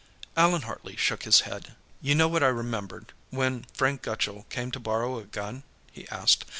Allan Hartley shook his head. "You know what I remembered, when Frank Gutchall came to borrow a gun?" he asked.